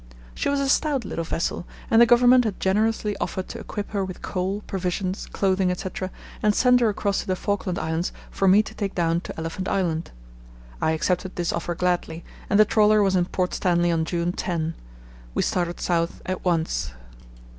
She was a stout little vessel, and the Government had generously offered to equip her with coal, provisions, clothing, etc., and send her across to the Falkland Islands for me to take down to Elephant Island. I accepted this offer gladly, and the trawler was in Port Stanley on June 10. We started south at once.